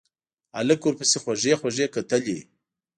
هلک ورپسې خوږې خوږې کتلې.